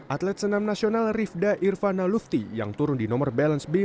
atlet senam nasional rivda irvana lufti yang turun di nomor balance b